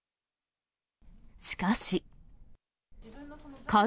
しかし。